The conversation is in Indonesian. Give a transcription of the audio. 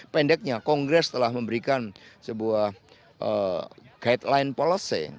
pendeknya kongres telah memberikan sebuah guideline policy